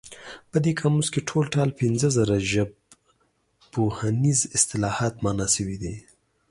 په دې قاموس کې ټول ټال پنځه زره ژبپوهنیز اصطلاحات مانا شوي دي.